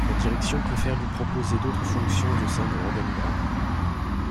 La direction préfère lui proposer d'autres fonctions au sein de l'organigramme.